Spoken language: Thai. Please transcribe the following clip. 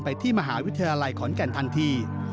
ที่มหาวิทยาลัยขอนแก่นทันที